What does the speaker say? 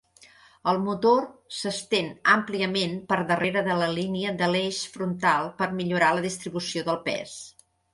El motor s'estén àmpliament per darrere de la línia de l'eix frontal per millorar la distribució del pes.